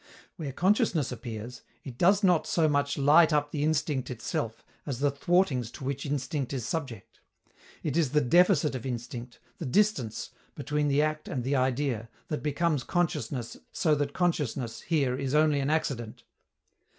Where consciousness appears, it does not so much light up the instinct itself as the thwartings to which instinct is subject; it is the deficit of instinct, the distance, between the act and the idea, that becomes consciousness so that consciousness, here, is only an accident.